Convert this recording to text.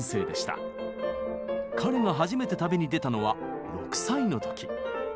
彼が初めて旅に出たのは６歳の時。